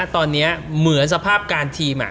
ตอนนี้เหมือนสภาพการทีม